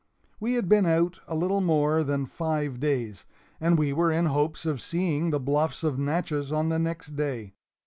We had been out a little more than five days, and we were in hopes of seeing the bluffs of Natchez on the next day.